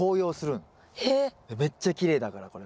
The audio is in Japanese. めっちゃきれいだからこれも。